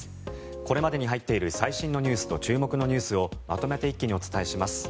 これまでに入っている最新ニュースと注目ニュースをまとめて一気にお伝えします。